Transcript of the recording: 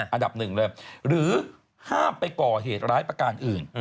อันดับหนึ่งเลยหรือห้ามไปก่อเหตุร้ายประการอื่น